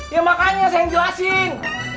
ya makanya saya yang jelasin